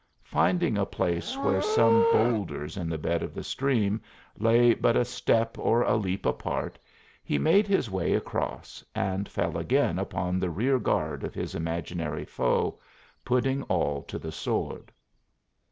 Finding a place where some bowlders in the bed of the stream lay but a step or a leap apart, he made his way across and fell again upon the rear guard of his imaginary foe, putting all to the sword.